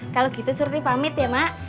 kalau gitu surfing pamit ya mak